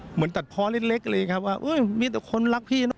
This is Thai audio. เหมือนตัดพร้อมเล็กเลยครับว่ามีแต่คนรักพี่